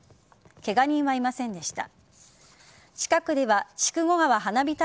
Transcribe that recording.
ケガ人はいませんでした。